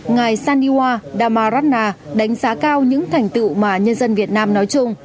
ngài saniwa damarana đánh giá cao những thành tựu mà nhân dân việt nam nói chung